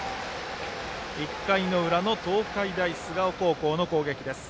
１回裏の東海大菅生高校の攻撃。